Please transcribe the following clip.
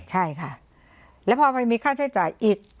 ใช่ค่ะแล้วพอมันมีค่าใช้จ่ายอีก